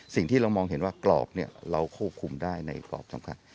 สิ่งที่เรามองเห็นว่ากรอบเราควบคุมได้ในกรอบสำคัญ